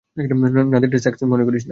নাদিয়ারটা sex মনে করিস না।